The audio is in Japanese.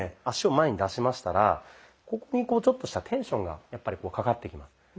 足を前に出しましたらここにちょっとしたテンションがかかってきます。